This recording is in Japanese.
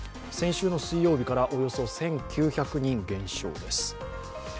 先週の水曜日からおよそ１９００人減少です。